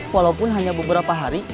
walaupun hanya beberapa hari